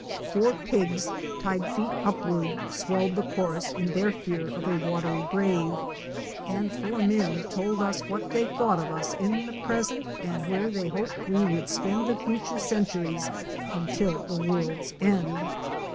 Four pigs, tied feet upward, swelled the chorus in their fear of a watery grave and four men told us what they thought of us in the present and where they hoped we would spend the future centuries until the world's end.